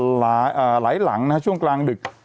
ไหลหลังนะครับช่วงกลางดึก